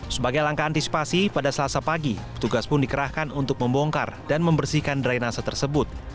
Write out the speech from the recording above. sebagai langkah antisipasi pada selasa pagi petugas pun dikerahkan untuk membongkar dan membersihkan drainase tersebut